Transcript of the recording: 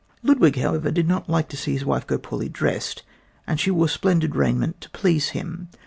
Ludwig, however, did not like to see his wife go poorly dressed, and she wore splendid raiment to please him.